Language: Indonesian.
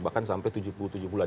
bahkan sampai tujuh puluh tujuh bulan